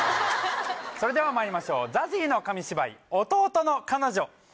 それではまいりましょう、ＺＡＺＹの紙芝居、弟の彼女。